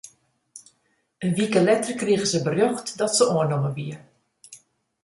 In wike letter krige se berjocht dat se oannommen wie.